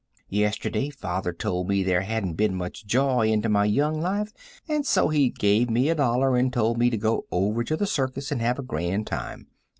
Yesterday father told me there hadn't been much joy into my young life, and so he gave me a dollar and told me to go over to the circus and have a grand time.